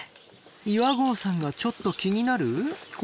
岩合さんがちょっと気になる？